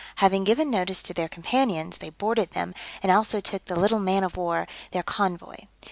Having given notice to their companions, they boarded them, and also took the little man of war, their convoy.